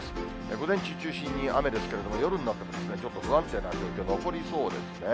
午前中を中心に雨ですけれども、夜になってちょっと不安定な状況残りそうですね。